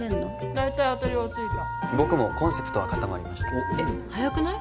大体当たりはついた僕もコンセプトは固まりましたえっ早くない？